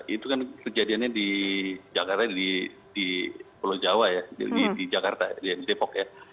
itu kan kejadiannya di jakarta di pulau jawa ya di jakarta di depok ya